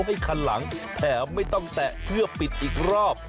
ให้คันหลังแถมไม่ต้องแตะเพื่อปิดอีกรอบ